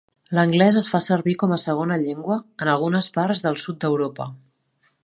L'anglès es fa servir com a segona llengua en algunes parts del sud d'Europa.